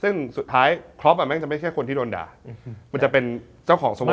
ซึ่งสุดท้ายครอปแม่งจะไม่ใช่คนที่โดนด่ามันจะเป็นเจ้าของสโมส